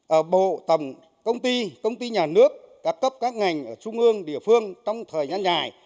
hộ tầm công ty công ty nhà nước các cấp các ngành trung ương địa phương trong thời gian dài